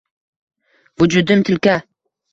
Vujudim tilka